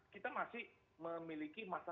kita masih memiliki masa